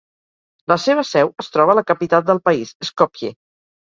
La seva seu es troba a la capital del país, Skopje.